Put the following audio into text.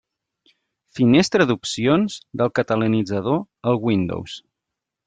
Finestra d'opcions del Catalanitzador al Windows.